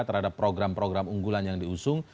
terhadap program program unggulan yang diusung